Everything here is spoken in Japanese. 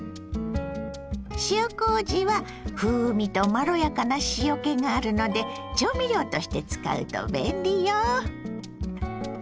塩こうじは風味とまろやかな塩けがあるので調味料として使うと便利よ。